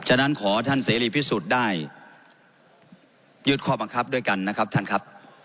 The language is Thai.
ฉะนั้นขอท่านเสรีพิสุทธิ์ได้ยืดข้อบังคับด้วยกันนะครับท่านครับ